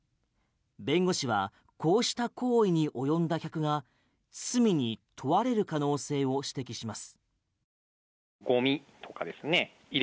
弁護士はこうした行為に及んだ客が罪に問われる可能性を指摘します。